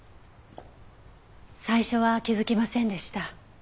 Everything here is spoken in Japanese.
最初は気づきませんでした。